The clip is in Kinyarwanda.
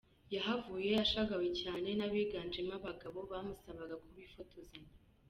Yahavuye ashagawe cyane n’abiganjemo abagabo bamusabaga ko bifotozanya.